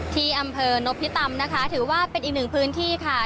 ที่อำเภอนพิตำนะคะถือว่าเป็นอีกหนึ่งพื้นที่ค่ะ